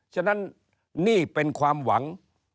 ฉะนั้นนี่เป็นความหวัง